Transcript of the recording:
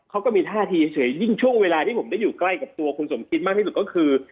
เขาก็มีท่าทีเฉยยิ่งช่วงเวลาที่ผมได้อยู่ใกล้กับตัวคุณสมคิดมากที่สุดก็คือ